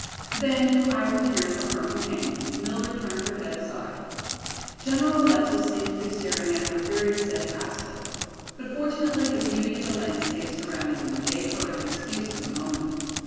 Then, to hide her tears from her companion, Mildred turned her head aside. General Alexis seemed to be staring at her very steadfastly. But fortunately the beauty of the landscape surrounding them gave her an excuse for the movement.